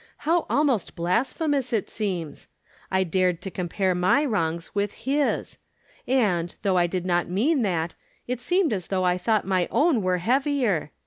How almost blasphemous it seems I I dared to compare my wrongs with his ; and, though I did not mean that, it seemed as though I thought my own were heavier